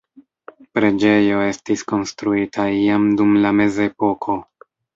Preĝejo estis konstruita iam dum la mezepoko.